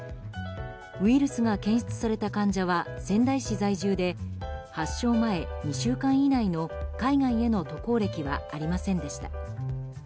ウイルスが検出された患者は仙台市在住で発症前、２週間以内の海外への渡航歴はありませんでした。